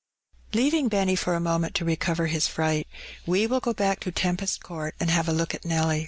Leaving Benny for a moment to recover his fright, we will go back to Tempest Court, and have a look at Nelly.